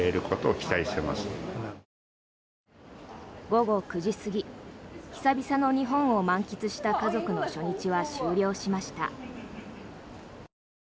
午後９時過ぎ久々の日本を満喫した家族の初日は終了しました。